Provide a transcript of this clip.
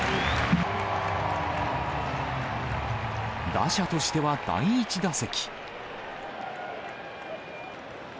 打者としては第１打席。